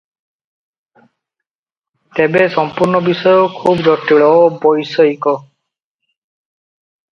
ତେବେ ସମ୍ପୂର୍ଣ୍ଣ ବିଷୟ ଖୁବ ଜଟିଳ ଓ ବୈଷୟିକ ।